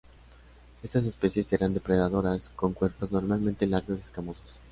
Estas especies eran depredadoras, con cuerpos normalmente largos y escamosos.